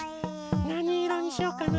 なにいろにしようかな？